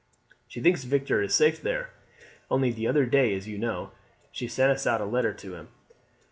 She thinks Victor is safe there. Only the other day, as you know, she sent us out a letter to him.